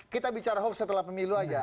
kita bicara hoax setelah pemilu aja